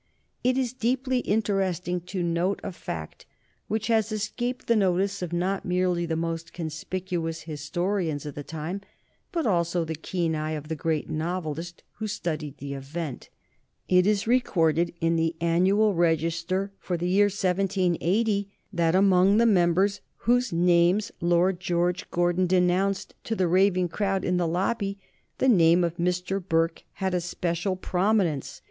It is deeply interesting to note a fact which has escaped the notice of not merely the most conspicuous historians of the time, but also the keen eye of the great novelist who studied the event. It is recorded in the "Annual Register" for the year 1780 that among the members whose names Lord George Gordon denounced to the raving crowd in the Lobby the name of Mr. Burke had especial prominence.